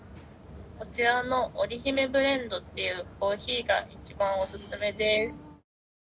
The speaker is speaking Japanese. こちらの織り姫ブレンドというコーヒーが一番お勧めです。